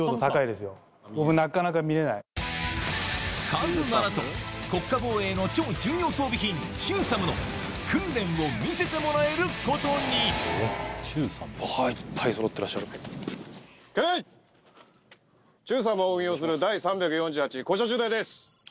カズならと国家防衛の超重要装備品「中ＳＡＭ」の訓練を見せてもらえることに中ＳＡＭを運用する第３４８高射中隊です。